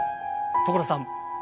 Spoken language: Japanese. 所さん！